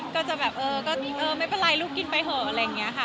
ก็จะแบบเออก็เออไม่เป็นไรลูกกินไปเถอะอะไรอย่างนี้ค่ะ